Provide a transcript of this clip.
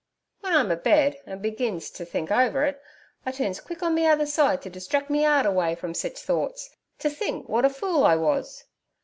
'W'en I'm abed an' begins t' think over it, I turns quick on me other side t' distrack me 'eart away from sich thoughts, t' think w'at a fool I was.